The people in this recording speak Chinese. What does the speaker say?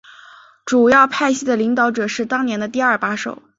主要派系的领导者是当年的第二把手。